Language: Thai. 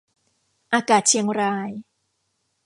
อากาศเชียงราย